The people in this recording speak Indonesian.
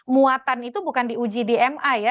muatan itu bukan diuji di ma ya